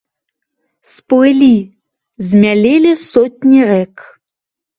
Сплылі, змялелі сотні рэк.